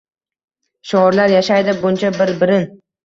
Shoirlar yashaydi bunda, bir-birin